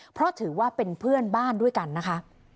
เพราะถือว่าเป็นเพื่อนบ้านด้วยกันนะคะ